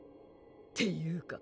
っていうか